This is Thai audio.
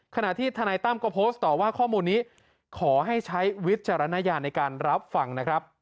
ขณะที่ทนายตั้มก็โพสต์ต่อว่าข้อมูลนี้ขอให้ใช้วิจารณญาณในการรับฟังนะครับ